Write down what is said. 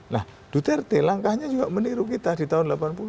nah duterte langkahnya juga meniru kita di tahun delapan puluh